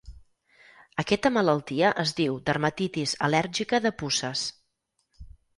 Aquesta malaltia es diu dermatitis al·lèrgica de puces.